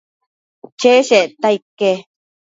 cheshecta ique